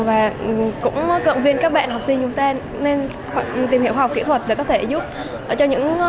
và cũng động viên các bạn học sinh chúng ta nên tìm hiểu khoa học kỹ thuật để có thể giúp cho những